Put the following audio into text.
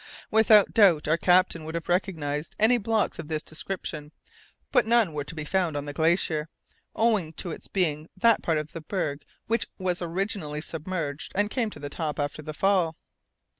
Without doubt, our captain would have recognized any blocks of this description, but none were to be found on the glacier, owing to its being that part of the berg which was originally submerged, and came to the top after the fall.